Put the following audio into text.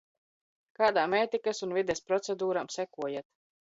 Kādām ētikas un vides procedūrām sekojat?